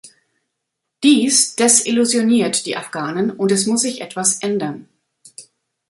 Dies desillusioniert die Afghanen, und es muss sich etwas ändern.